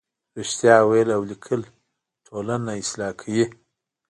رښتیا ویل او لیکل ټولنه اصلاح کوي.